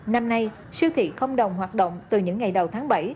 năm nay siêu thị không đồng hoạt động từ những ngày đầu tháng bảy